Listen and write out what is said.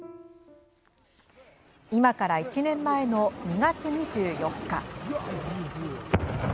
今から１年前の２月２４日。